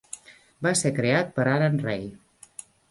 Va ser creat per Aran Rei.